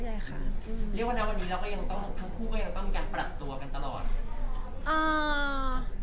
เรียกว่าทั้งคู่ก็ยังต้องมีการปรับตัวกันตลอด